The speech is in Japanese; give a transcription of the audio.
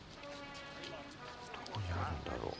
どこにあるんだろう